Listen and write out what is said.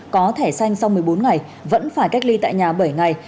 có thẻ xanh sau một mươi bốn ngày vẫn phải cách ly tại nhà bảy ngày